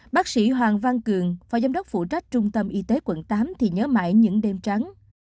bác sĩ hoàng văn cường phó giám đốc phụ trách trung tâm y tế quận tám thì nhớ mãi những đêm trắng